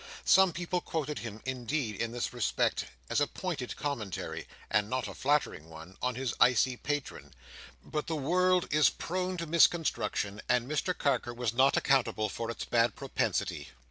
Some people quoted him indeed, in this respect, as a pointed commentary, and not a flattering one, on his icy patron—but the world is prone to misconstruction, and Mr Carker was not accountable for its bad propensity.